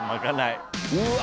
うわ！